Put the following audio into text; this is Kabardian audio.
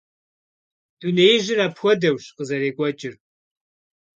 Дунеижьыр апхуэдэущ къызэрекӀуэкӀыр.